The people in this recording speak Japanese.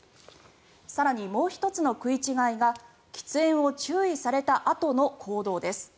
更に、もう１つの食い違いが喫煙を注意されたあとの行動です。